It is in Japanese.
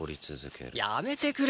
やめてくれ！